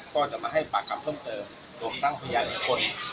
ก็จะมาให้ปากคำเพิ่มเติมรวมทั้งพยานอีกคน